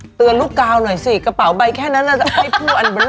ดรีมเตือนลูกกาวหน่อยสิกระเป๋าใบแค่นั้นอาจจะให้ผลวันบริเวณกันเตือนเข้าหน่อย